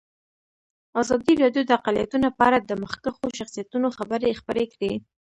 ازادي راډیو د اقلیتونه په اړه د مخکښو شخصیتونو خبرې خپرې کړي.